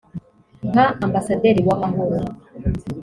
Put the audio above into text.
nka ambasaderi w’amahoro